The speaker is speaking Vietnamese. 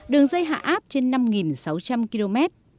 đường dây hạ áp trên năm sáu trăm linh km